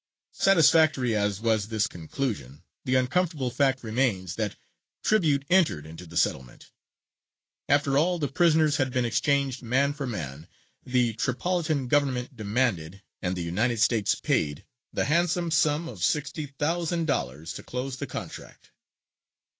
Satisfactory as was this conclusion, the uncomfortable fact remains that tribute entered into the settlement. After all the prisoners had been exchanged man for man, the Tripolitan Government demanded, and the United States paid, the handsome sum of sixty thousand dollars to close the contract.